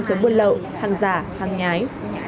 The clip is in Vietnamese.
chống buôn lậu hàng giả hàng nhái